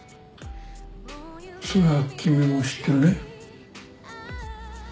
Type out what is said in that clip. それは君も知ってるね？